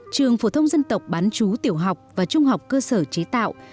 trường phổ thông dân tộc bán chú tiểu học và trung học cơ sở chế tạo